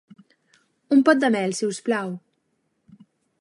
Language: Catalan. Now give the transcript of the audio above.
Un pot de mel, si us plau.